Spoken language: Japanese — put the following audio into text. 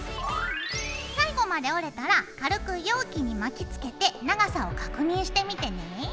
最後まで折れたら軽く容器に巻きつけて長さを確認してみてね。